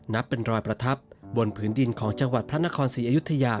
นับเป็นรอยประทับบนผืนดินของจังหวัดพระนครศรีอยุธยา